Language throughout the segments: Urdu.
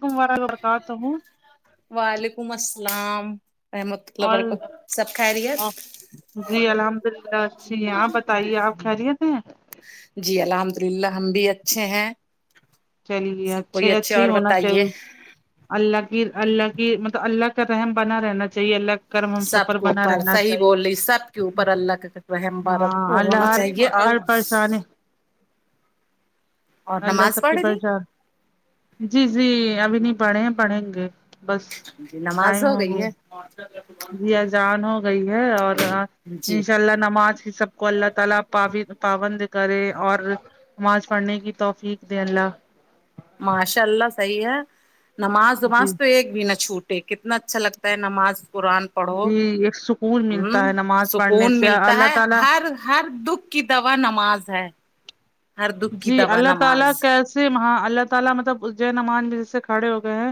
کم وا برکاتحو [unintelligible] وعلیکم السلام رحمۃ اللہ و اور برکاتہ سب خیریت جی الحمد اللہ اچھی ہیں آپ بتائیے آپ خریت ہیں جی الحمد للہ ہم بھی اچھے ہیں چلیے سب کوئی اچھے اچھا ہی اور ہونا بتائیے چاہیے اللہ کی اللہ کی مطلب اللہ کا رحم بنا رہنا چاہیے اللہ کرم ہم سب سفر کے بنا اوپر رہنا صحیح چاہیے بول رہی سب کے اوپر اللہ کا رحم ہاں بارک الله ہونا ہر چاہیے اور ہر پریشانی اور اللہ نماز سب کی پڑھ لی پرچان جی جی ابھی نہیں پڑھے ہیں پڑھیں گے بس جی نماز ٹائم ہو گئی گیا ہے جی اذان ہو گئی ہے اور جی انشاء اللہ نماز کی سب کو اللہ تعالی پ پابند کرے اور نماز پڑھنے کی توفیق دے اللہ ماشاء اللہ صحیح ہے نماز جی وماز تو ایک بھی نہ چھوٹ ے کتنا اچھا لگتا ہے نماز قرآن پڑھو جی ایک سکون ملتا ہوں ہے نماز پڑھنے سکون سے ملتا اللہ ہے تعالی ہر ہر دکھ کی دوا نماز ہے ہر دکھ کی جی دوا اللہ تعالی نماز کیسے ہاں اللہ تعالی مطلب جاۓ نماز میں جیسے کھڑے ہو گئے ہیں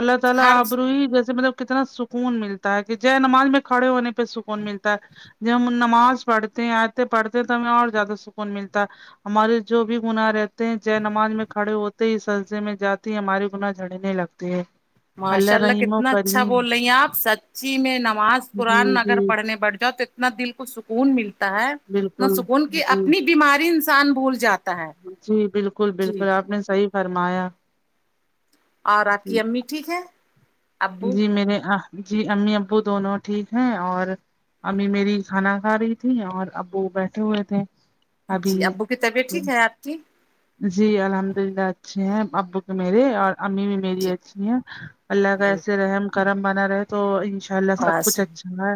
اللہ تعالی ہر آبرو ہی جسے مطلب کتنا س کون ملتا ہے کہ جے نماز میں کھڑے ہونے پہ سکون ملتا ہے جب ہم نماز پڑھتے ہیں آیتن پڑھتے ہیں تو ہمیں اور زیادہ سکون ملتا ہے ہمارے جو بھی گناہ رہتے ہیں جاۓ نماز میں کھڑے ہوتے ہی سجدہ میں جاتے ہمارے گنااہ جھڑنے لگتے ہیں ماشاء اللہ رحیم و کتنا اچھا کریم بول رہی ہیں آپ سچی میں نماز قرآن جی جی اگر پڑھنے بیٹھ جاؤ تو ات نا دل کو سکون ملتا ہے اتنا بالکل سکون کہ جی اپنی بیماری انسان بھول جاتا ہے جی بالکل جی بالکل آپ نے صحیح فرمایا اور آپ جی کی امی ٹھیک ہے ابو جی میرے اہ جی امی ابو دونوں ٹھیک ہیں اور امی میری کھانا کھا رہی تھی اور ابو بیٹھے ہوئے تھے جی ابھی ابو کی طبیعت ٹھیک ہے آپ کی جی الحمد اللہ اچھے ہیں ابو کے میرے اور امی بھی میری جی اچھی ہیں اللہ کا جی ایسے رحم کرم بنا رہے تو انش ا اللہ سب بس کچھ اچھا ہے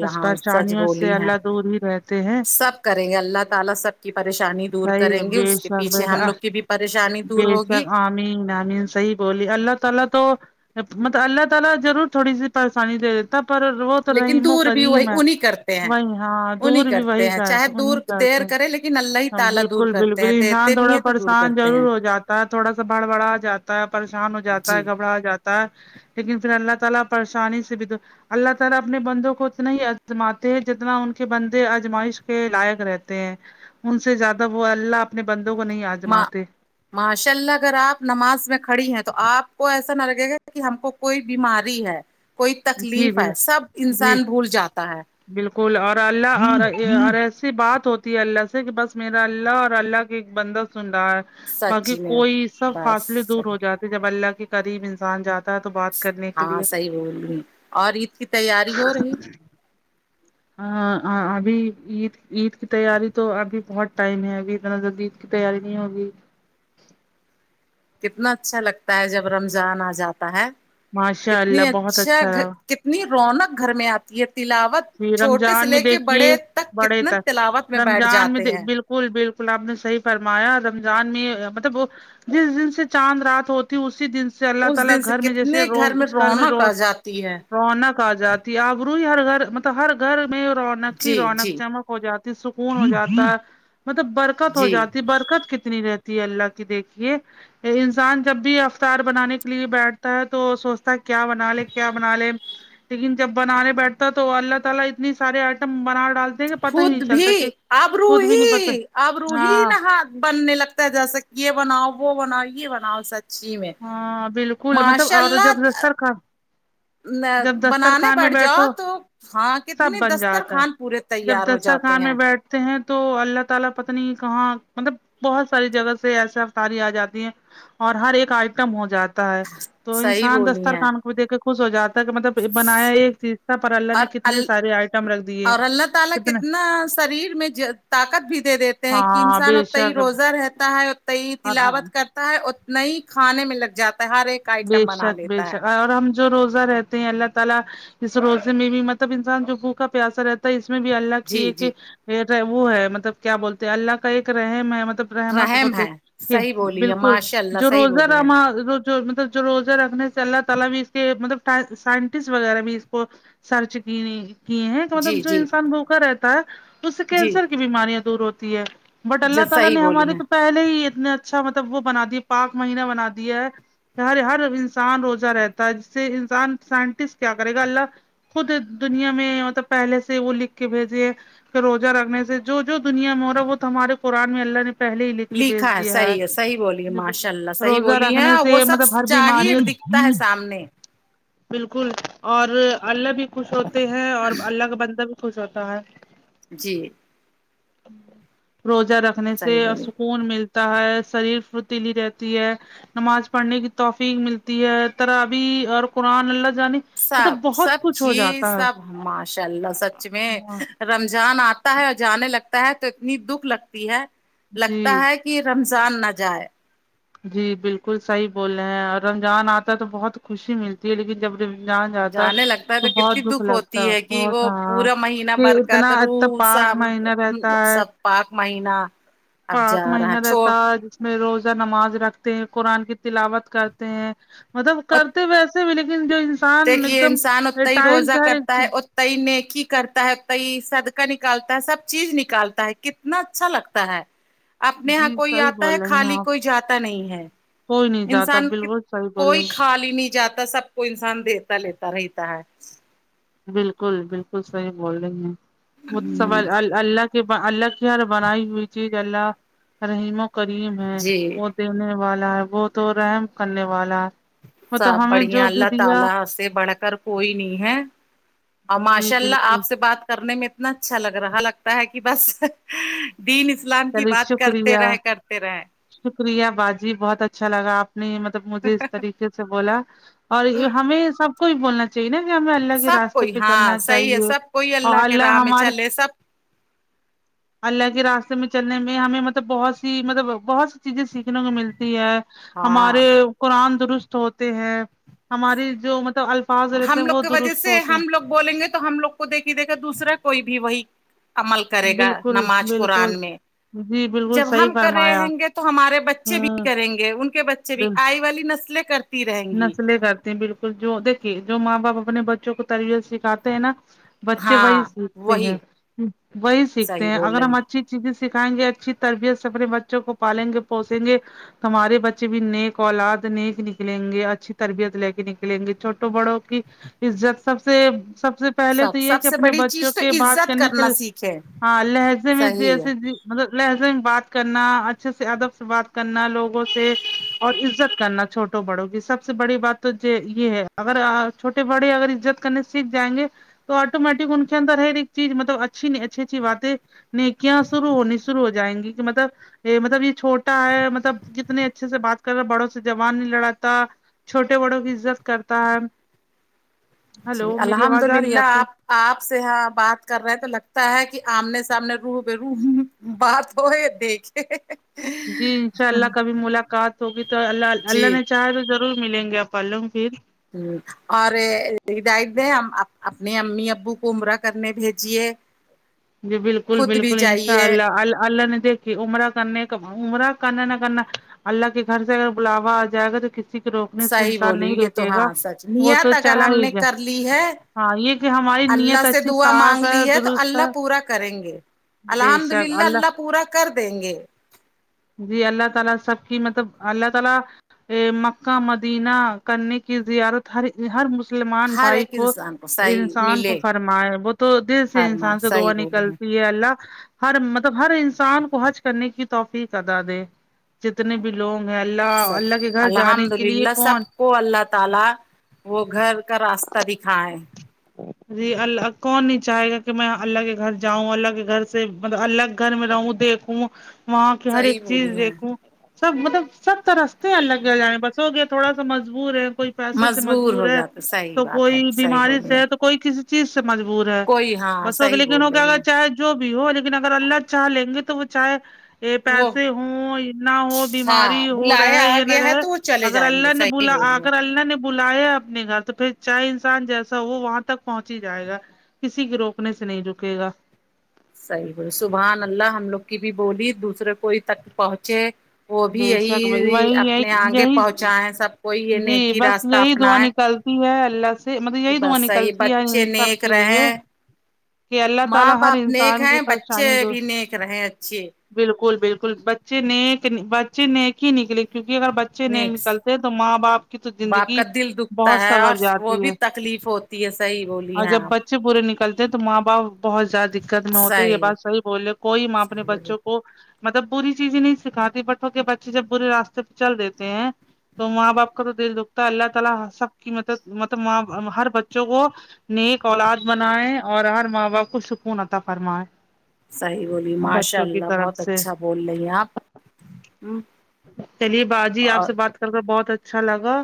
بس سچ پریشانیوں سے بولی ہیں اللہ دور ہی رہتے ہیں سب کریں گے اللہ تعالی سب کی پریشانی دور صحیح کریں ہے گے بے اس کے شک پیچھے ہم لوگ کی بھی پریشانی دور بے ہوگی شک آمین آمین صحیح بولی اللہ تعالی تو مطلب اللہ تعالی ضرور تھوڑی سی پریشانی دے تا پر وہ تو لیکن رحیم و دور بھی وہی کریم ہے انہیں کرتے ہیں وہی ہاں انہیں دور بھی کرتے وہی ہیں کر چاہے تا ہے دور انہیں کرتے دیر کرے لیکن اللہ ہی ہم تعالی دور بالکل کرتے بالکل ہیں انسان دیتے بھی تھوڑا ہیں تو دور پریشان کرتے ہیں ضرور ہو جاتا ہے تھوڑا سا بڑبڑا جاتا ہے پریشان ہو جاتا جی ہے گھبرا جاتا ہے لیکن پھر اللہ تعالی پریشانی سے بھی تو اللہ تعالی اپنے بندوں کو اتنا ہی ازماتے ہیں جتنا ان کے بندے ازمائش کے لائق رہتے ہیں ان سے زیادہ وہ اللہ اپنے بندوں کو نہیں ماں آزماتے ماشاء اللہ اگر آپ نماز میں کھڑی ہیں تو آپ کو ایسا نہ لگے گا کہ ہم کو کوئی بیماری ہے کوئی جی تکلیف بل ہے سب جی انسان بھول جاتا ہے بالکل اور اللہ اور اور ایسی بات ہوتی ہے اللہ سے کہ بس میرا اللہ اور اللہ ایک بندہ سن رہا ہے باقی سچی میں کوئی سب فاصلے بس دور ہو جاتے جب اللہ کے قریب انسان جاتا ہے تو بات کرنے کے ہاں لیے صحیح بول رہی اور عید کی تیاری ہو رہی ہاں ابھی عید عید کی تیاری تو ابھی بہت ٹائم ہے ابھی اتنا جلدی تیاری نہیں ہوگی کتنا اچھا لگتا ہے جب رمضان آ جاتا ہے ماشاء اللہ کتنی بہت اچھا رہا کتنی رونق گھر میں آتی ہے تلاوت جی چھوٹے سے رمضان میں لے کے دیکھیے بڑے تک بڑے کتنے تک تلاوت میں بیٹھ رمضان میں جاتے دیهد ہیں بالکل کل بالکل آپ نے صحیح فرمایا رمضان میں مطلب وہ جس دن سے چاند رات ہوتی اسی دن اس اللہ تعالی دن سے گھر میں جیسے کتنے روز اس گھر میں رونق آ روز جاتی ہے رونق آ جاتی ہے اب روئی ہر گھر مطلب ہر گھر میں رونق ہی جی رونق جی چمک ہو جاتی سکون ہو جاتا ہے مطلب برکت ہو جی جاتی برکت کتنی رہتی تی اللہ کی دیکھیے انسان جب بھی افطار بنانے کے لیے بیٹھتا ہے تو سوچتا ہے کیا بنا لے کیا بنا لے لیکن جب بنانے بیٹھتا تو اللہ تعالی اتنی سارے آئٹم بنا ڈالتا خود بھی نہیں پتا ابروحی اب روح ہاں نہات بننے لگ جیسا کہ یہ بناؤ وہ بناؤ یہ بناؤ سچ چھی میں ہاں بالکل مطلب ماشاء اور اللہ جب دستر خان جب دستر بنانے خان میں بیٹھ جاؤ بیٹھو تو ہاں سب کتنی بن دستر جاتا ہے خان پورے جب تیار ہو دستر جاتے خان میں ہیں بیٹھتے ہیں تو اللہ تعالی پتا نہیں کہاں مطلب بہت ساری جگہ سے ایسے افتاری آ جاتی ہیں اور ہر ایک آئٹم ہو جاتا ہے تو صحیح انسان بولی دستر ہیں خان کو بھی دیکھے خوش ہو جاتا کہ مطلب بنایا ایک چیز تھا پر اللہ اور نے کتنے ال سارے آئٹم رکھ دیے اور اللہ تعالی کتنے کتنا شریر میں طاقت بھی دے دیتے ہیں کہ ہاں انسان بے اتنا ہی شک روزہ رہتا ہے اور تلاوت کرتا ہے اتنا ہی کھانے میں لگ جاتا ہے ہر ایک بے آئٹم بنا شک بے لیتا ہے شک اور ہم جو روزہ رہتے ہیں اللہ تعالی اس روزے میں بھی مطلب انسان جو بھو کا پیاسا رہتا اس میں بھی اللہ کی جی ایک جی وہ ہے مطلب کیا بولتے اللہ کا ایک رحم ہے مطلب رحمت رحم بہتے ہے صحیح بولی ہے بالکل ماشاء اللہ جو صحیح روزہ بولی ہے راما جو جو روزہ رکھنے سے اللہ تعالی بھی اس کے مطلب سائنٹسٹ وغیرہ بھی اس کو سر چکنی کی ہیں کہ جی مطلب جو جی انسان بھوکا رہتا ہے اس سے جی کینسر کی بیماریاں دور ہوتی ہے بٹ ج اللہ تعالی صحیح نے بولی ہمارے ہے تو پہلے ہی اتنا اچھا مطلب وہ بنا دیا پاک مہینہ بنا دیا ہے ہر ہر انسان روزہ رہتا ہے جس سے انسان سائنٹسٹ کیا کرے گا اللہ خود دنیا میں مطلب پہلے سے وہ لکھ کے بھیجے ہے پھر روزہ رکھنے سے جو جو دنیا میں ہو رہا ہے وہ ہمارے قرآن میں اللہ نے پہلے ہی لکھ کے بیچ لکھا ہے دیا صحیح صحیح بولی ہے ماشاء اللہ صحیح روزہ بولی ہے رکھنے اور وہ سے سب مطلب ہر بیماری ظاہر دکھتا ہے سامنے بالکل اور اللہ بھی خوش ہوتے ہیں اور اللہ کا بندہ بھی خوش ہوتا ہے جی روزہ رکھنے سے صحیح بولی سکون مل تا ہے شریر پھرتیلی رہتی ہے نماز پڑھنے کی توفیق ملتی ہے ترابی اور قرآن اللہ جانے سب مطلب بہت سب کچھ ہو چیز جاتا ہے سب ماشاء اللہ سچ میں ہاں رمضان آتا ہے اور جانے لگتا ہے تو اتنی دکھ لگتی ہے لگتا جی ہے کہ رمضان نہ جائے جی بالکل صحیح بولے ہیں اور رمضان آتا ہے تو بہت خوشی ملتی ہے لیکن جب رم ضان جاتا جانے لگتا ہے تو بہت کتنی دکھ لگتا ہوتی ہے کہ بہت وہ ہاں پورا مہینہ یہ اتنا برکات ا تو روح پاک سام مہینہ رہتا ہے سب پاک مہینہ اب پاک جا رہا مہینہ چھوڑ رہتا میں روزہ نماز رکھتے ہیں قرآن کی تلاوت کرتے ہیں مطلب کرتے ویسے بھی لیکن دل کہ یہ انسان اتتا ہی روزہ کرتا ہے چیز ات تا نیکی کرتا ہے اتتا صدقہ نکالتا ہے سب چیز نکالتا ہے کتنا اچھا لگتا ہے اپنے یہاں جی کوئی صحیح آتا ہے بول رہی ہیں خالی آپ کوئی جاتا نہیں ہے کوئی نہیں جاتا انسان کت بالکل صحیح بول رہی کوئی ہیں خالی نہیں جاتا سب کو انسان دیتا لیتا رہتا ہے بالکل بالکل صحیح بول رہی ہیں وہ سب پل آل اللہ کے اللہ کی ہر بنائی ہوئی چیز اللہ رحیم و کریم ہے جی وہ دینے والا ہے وہ تو رحم کرنے والا سب مطلب ہمیں بڑھیا جو بھی اللہ دیا تعالی سے بڑھ کر کوئی نہیں ہے اور جی ماشاء اللہ بالکل آپ سے بات کرنے میں اتنا اچھا لگ رہا لگتا ہے کہ بس دین اسلام کی چلیے بات کرتے شکریہ رہے کرتے رہے شکریہ باجی بہت اچھا لگا آپ نے مطلب مجھے اس طرح کے سے بولا اور یہ ہمیں سب کو ہی بولنا چاہیے نا کہ ہمیں اللہ کے سب راستے کوئی پہ ہاں چلنا صحیح ہے چاہیے سب کوئی اور کے راہ اللہ میں ہمارے چلے سب اللہ کے راستے میں چلنے میں ہمیں مطلب بہت سی مطلب بہت سی چیزیں سیکھنے کو ملتی ہے ہاں ہمارے قرآن درست ہوتے ہیں ہماری جو مطلب ال پاس رہتے ہم ہیں لوگ وہ کی وجہ درست سے ہوتے ہیں ہم لوگ بولیں گے تو ہم لوگ کو دیکھی دیکھا دوسرا کوئی بھی وہی عمل کرے ہیں گا بالکل نماز قرآن بالکل میں جی بل جب ہم کرے رہیں گے تو ہمارے بچے بھی ہوں کریں گے ان کے بچے بھی بال آئی والی نسلیں کر نسلیں کرتی ہیں بالکل جو دیکھیے جو ماں باپ اپنے بچوں کو تربیت سکھاتے ہیں نا بچے وہی ہاں سیکھتے ہیں وہی وہی سیکھتے صحیح ہیں بول اگر ہم رہی اچھی چیزیں سکھائیں گے اچھی تربیت سے اپنے بچوں کو پالیں گے پوسیں گے تمہارے بچے بھی نیک اولاد نیک ن کلیں گے اچھی تربیت لے کے نکلیں گے چھوٹوں بڑوں کی عزت سب سے سب سے پہلے تو سب یہ سب کہ سے اپنے بڑی بچوں چیز تو کے بات عزت کرنے کرنا کے سیکھے ہاں لہجے میں صحیح ہے جیسے ج مطلب لہجے میں بات کرنا اچھے سے ادب سے بات کرنا لوگوں سے اور عزت کرنا چھو ٹوں بڑوں کی سب سے بڑی بات تو یہ ہے اگر چھوٹے بڑے اگر عزت کرنے سیکھ جائیں گے تو آٹومیٹک ان کے اندر ہر ایک چیز مطلب اچھی نہیں اچھی اچھی باتیں نیکیاں شروع ہونی شروع ہو جائیں گی کہ مطلب یہ مطلب یہ چھوٹا ہے مطلب کتنے اچھے سے بات کر رہا بڑوں سے زبان نہی لڑاتا چھوٹے بڑوں کی عزت کرتا ہے جی ہلو میری الحمد آواز آ رہی ہے للہ کو آپ آپ سے ہاں بات کر رہے ہیں تو لگتا ہے کہ آمنے سامنے رو بہ رو ہ بات ہوے دیکھے جی انشاء اللہ کبھی ملاقات ہوگی تو اللہ جی اللہ نے چاہا تو ضرور ضرور ملیں گے اپن لوگ پھر ہ اور ہدایتیں ہم اپنے امی ابو کو عمرہ کرنے بھیجیے جی بالکل خود بھی بالکل انشاء جائیے اللہ ال اللہ نے دے کہ عمرہ کرنے کا عمرہ کرنا نہ کرنا اللہ کے گھر سے اگر بلاوا آ جائے گا تو کسی کو روکنے سے صحیح انسان بولی نہیں یہ تو روکے گا ہاں سچ وہ نیت تو اگر چلا ہم ہی نے جائے کر لی ہے ہاں یہ کہ ہماری اللہ نیت سے اچھی دعا صاف مانگ لی ہے تو درست اللہ پورا کریں گے بے الحمد شک للہ اللہ پورا کر دیں گے جی اللہ تعالی سب کی مطلب اللہ تعالی ا مکہ مدینہ کرنے کی زیارت ہر ہر مسلمان ہر بھائی ایک کو انسان صحیح انسان کو ملے فرمائے وہ تو دل سے فرمائے انسان سے دعا صحیح بولے ہیں نکلتی اے اللہ ہر مطلب ہر انسان کو حج کرنے کی توفیق ادا دے جت نے بھی لوگ ہیں اللہ سچ اللہ کے گھر جانے الحمد کے لیے للہ کون سب کو اللہ تعالی وہ گھر کا راستہ دکھائے جی ال کون نہیں چاہے گا کہ میں اللہ کے گھر جاؤں اللہ کے گھر سے ملب اللہ گھر میں رہوں دیک کھو وہاں کی ہر ایک صحیح بولی چیز ہیں دیکھوں سب مطلب سب ترستے اللہ کے گھر جانے بس ہو گیا تھوڑا سا مجبور ہے کوئی پیسے سے مجبور ہو ہے جاتے صحیح تو بات ہے کوئی صحیح بیماری بولی سے ہیں ہے تو کوئی کسی چیز سے مجبور ہے کوئی ہاں بسوں کے صحیح لیکن اگر وہ بول رہی کیا ہیں چاہے جو بھی ہو لیکن اگر اللہ چاہ لیں گے تو وہ چاہے یہ وہ پیسے ہوں نہ ہو بیماری ہاں ہو بلایا رہے آ یا نہ گیا ہے رہے تو وہ چلے اگر جائیں گے اللہ نے صحیح بلا آ بولی ہیں اگر اللہ نے بلایا اپنے گھر تو پھر چاہے انسان جیسا ہو وہاں تک پہنچ ہی جائے گا کسی کے روکنے سے نہیں رکے گا صحیح بولے سبحان اللہ ہم لوگ کی بھی بولی دوسرے کوئی تک پہنچے وہ بھی بے شک بھائی یہی وہی اپنے آنگے یہی پہنچائیں سب کوئی یہ نیکی راستہ اپنائے کی ہے اللہ سے مطلب کہ یہی دعا بس صحیح نکلتی ہے بچے ان سب نیک کے لیے رہیں کہ اللہ تعالی ماں ہر باپ نیک انسان کی ہیں پریشانی بچے دور بھی نیک رہیں اچھے بالکل بالکل بچے نیک بچے نیک ہی نکلے کیونکہ اگر بچے نیک نیکس نکلتے تو ماں باپ کی تو باپ کا زندگی دل دکھتا بہت ہے سنور اور وہ جاتی ہے بھی تکلیف ہوتی ہے صحیح بولی اور ہیں جب آپ بچ چے برے نکلتے ہیں تو ماں باپ بہت زیادہ دقت میں ہوتے یہ بات صحیح بول رہے ہو کوئی ماں اپنے صحیح بولی بچوں وہ مطلب بری چیزیں نہیں سکھاتی بٹ انکے بچے جب برے راستے پہ چل دیتے ہیں تو ماں باپ کا تو دل دکھتا اللہ تعالی سب کی مدب مطلب ماں ہر بچوں کو نیک اولاد بنائے اور ہر ماں باپ کو سکون عطا فرمائے صحیح بولی ماشاء بچوں کی اللہ طرف بہت سے اچھا بول رہی ہیں آپ ہمم چلیے باجی آپ سے بات کر کر بہت اچھا لگا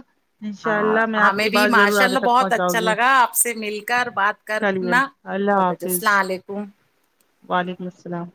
انشاء ہاں اللہ میں آپ ہمیں کی بھی بات ضرور ماشاء آگے اللہ تک بہت پہنچاؤں اچھا گی لگا آپ سے مل کر بات چلیے کرنا اللہ بہت اچھا حافظ [unintelligible] وعلیکم السلام